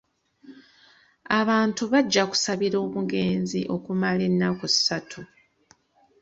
Abantu bajja kusabira omugenzi okumala ennaku ssatu.